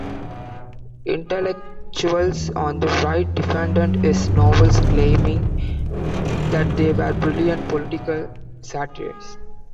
Intellectuals on the Right defended his novels claiming that they were brilliant political satires.